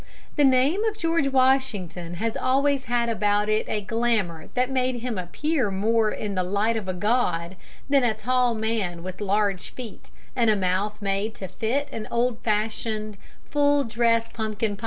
The name of George Washington has always had about it a glamour that made him appear more in the light of a god than a tall man with large feet and a mouth made to fit an old fashioned full dress pumpkin pie.